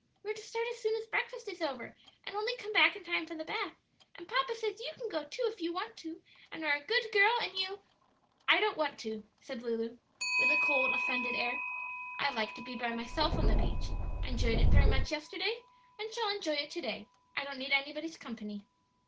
We're to start as soon as breakfast is over, and only come back in time for the bath; and papa says you can go too if you want to, and are a good girl; and you " "I don't want to," said Lulu, with a cold, offended air. "I like to be by myself on the beach; I enjoyed it very much yesterday, and shall enjoy it to day; I don't need anybody's company."